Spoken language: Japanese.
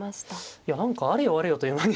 いや何かあれよあれよという間に。